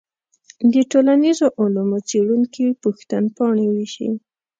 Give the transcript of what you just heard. د ټولنیزو علومو څېړونکي پوښتنپاڼې ویشي.